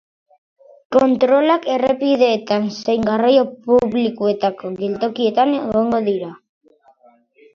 Kontrolak errepideetan zein garraio publikoetako geltokietan egingo dira.